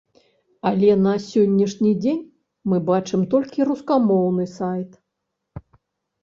Але на сённяшні дзень мы бачым толькі рускамоўны сайт.